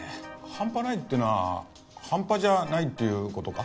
半端ないっていうのは半端じゃないっていう事か？